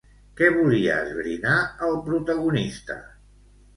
Què volia esbrinar el protagonista?